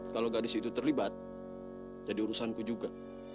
kalau gadis itu terlibat jadi urusan ku juga